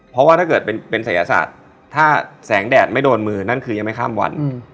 เพราะว่าถ้าเกิดเป็นศัยศาสตร์ถ้าแสงแดดไม่โดนมือนั่นคือยังไม่ข้ามวัน